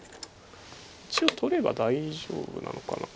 一応取れば大丈夫なのかな。